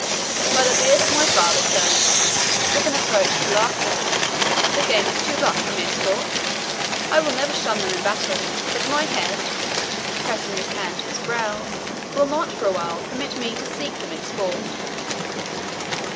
"By the beard of my father, sir," said the Saracen, with an approach to laughter, "the game is too rough for mere sport. I will never shun them in battle, but my head" (pressing his hand to his brow) "will not, for a while, permit me to seek them in sport."